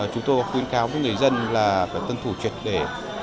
chúng tôi khuyên cáo với người dân là phải tuân thủ truyệt đề